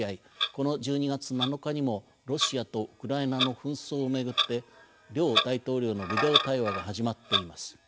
この１２月７日にもロシアとウクライナの紛争を巡って両大統領のビデオ対話が始まっています。